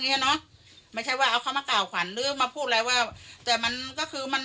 เนี้ยเนอะไม่ใช่ว่าเอาเขามากล่าวขวัญหรือมาพูดอะไรว่าแต่มันก็คือมัน